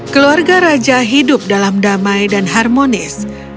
keluarga raja hidup dalam damai dan harmonis